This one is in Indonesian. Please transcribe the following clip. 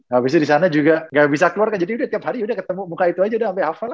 habisnya disana juga gak bisa keluar kan jadi udah tiap hari ketemu muka itu aja udah sampe hafal lah